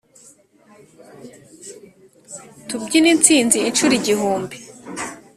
tubyine insinzi inshuro igihumbi!